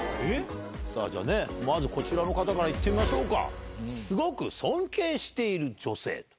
さぁまずこちらの方からいってみましょうか。